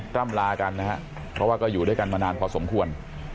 ร่ำลากันนะครับเพราะว่าก็อยู่ด้วยกันมานานพอสมควร